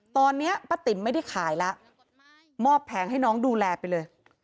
ตอนนี้ป้าติ๋มไม่ได้ขายแล้วมอบแผงให้น้องดูแลไปเลย